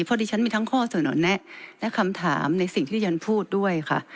เพราะดิฉันมีทั้งข้อเสนอแนะและคำถามในสิ่งที่ดิฉันพูดด้วยค่ะ